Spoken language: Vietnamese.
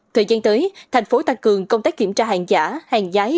thời gian tới thành phố tăng cường công tác kiểm tra hàng giả hàng nhái